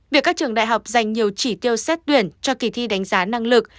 việc các trường đại học dành nhiều chỉ tiêu xét tuyển cho kỳ thi đánh giá năng lực